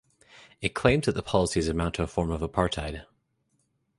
It claims that the policies amount to a form of apartheid.